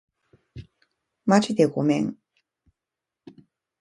まじでごめん